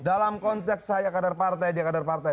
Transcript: dalam konteks saya kader partai dia kader partai